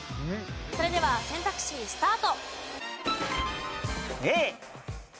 それでは選択肢スタート。